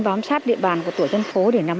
bám sát địa bàn của tổ dân phố để nắm